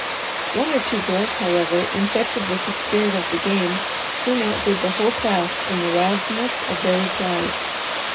One or two girls, however, infected with the spirit of the game, soon outdid the whole class in the wildness of their replies.